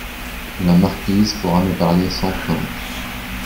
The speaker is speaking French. La marquise pourra me parler sans crainte.